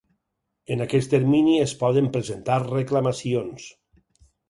En aquest termini es poden presentar reclamacions.